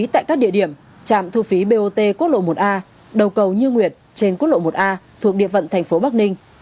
tại các địa điểm trạm thu phí bot quốc lộ một a đầu cầu như nguyệt trên quốc lộ một a thuộc địa phận thành phố bắc ninh